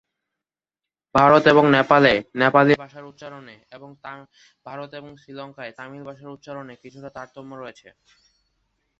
ভারত এবং নেপালে নেপালি ভাষার উচ্চারণে, এবং ভারত ও শ্রীলঙ্কায় তামিল ভাষার উচ্চারণে কিছুটা তারতম্য রয়েছে।